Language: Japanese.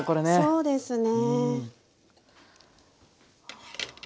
そうですね。